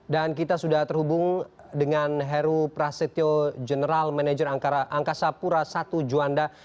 dan kita sudah terhubung dengan heru prasetyo general manager angkasa pura satu juanda